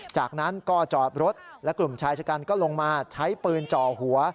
จากนั้นก็จอดรถและกลุ่มชายชะกันก็ลงมาใช้ปืนจ่อหัว